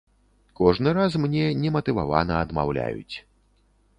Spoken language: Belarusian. Кожны раз мне нематывавана адмаўляюць.